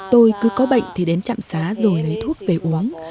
tôi cứ có bệnh thì đến trạm xá rồi lấy thuốc về uống